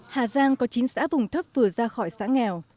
hà giang có chín xã vùng thấp vừa ra khỏi xã nghèo